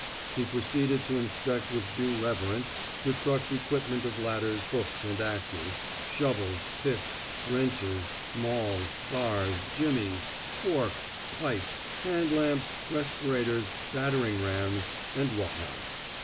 He proceeded to inspect with due reverence the truck *s equipment of ladders, hooks and axes, shov els, picks, wrenches, mauls, bars, jimmies, forks, pipes, hand lamps, respirators, bat tering rams, and what not.